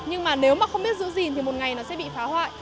nhưng mà nếu mà không biết giữ gìn thì một ngày nó sẽ bị phá hoại